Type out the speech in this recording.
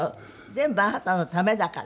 全部あなたのためだから。